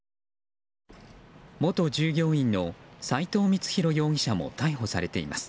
元従業員の斎藤光弘容疑者も逮捕されています。